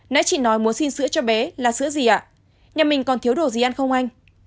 nãy chị nói muốn xin sữa cho bé là sữa gì ạ nhà mình còn thiếu đồ gì ăn không anh